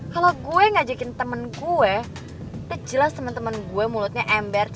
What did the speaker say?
kalau gue ngajakin temen gue udah jelas temen temen gue mulutnya ember